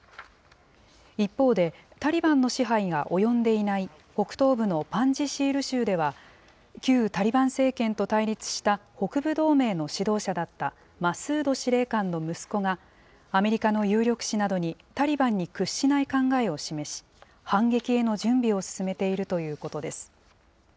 一方で、タリバンの支配が及んでいない北東部のパンジシール州では、旧タリバン政権と対立した北部同盟の指導者だったマスード司令官の息子が、アメリカの有力紙などにタリバンに屈しない考えを示し、反撃への準備を進めているということです。